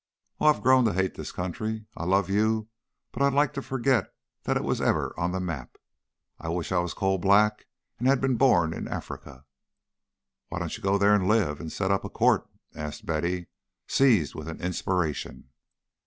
Oh, I've grown to hate this country. I love you, but I'd like to forget that it was ever on the map. I wish I was coal black and had been born in Africa." "Why don't you go there and live, set up a sort of court?" asked Betty, seized with an inspiration.